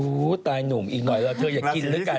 อโหตายหนุ่มอีกหน่อยแล้วเธอยัดกินแล้วกัน